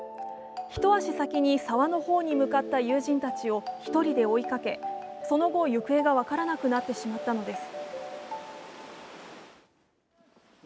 一足先に沢の方に向かった友人たちを１人で追いかけ、その後、行方が分からなくなってしまったのです。